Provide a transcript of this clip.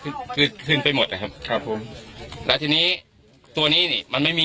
คือคือขึ้นไปหมดนะครับครับผมแล้วทีนี้ตัวนี้นี่มันไม่มี